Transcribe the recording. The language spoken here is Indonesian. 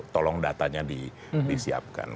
tolong datanya disiapkan